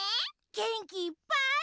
げんきいっぱい。